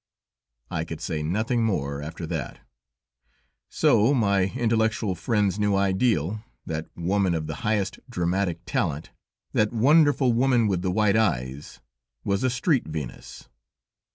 I could say nothing more after that. So my intellectual friend's new ideal, that woman of the highest dramatic talent, that wonderful woman with the white eyes, was a street Venus!